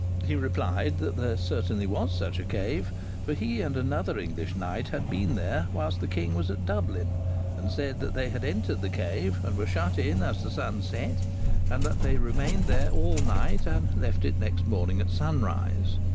He replied that there certainly was such a cave, for he and another English knight had been there whilst the king was at Dublin, and said that they entered the cave, and were shut in as the sun set, and that they remained there all night and left it next morning at sunrise.